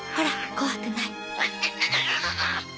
怖くない。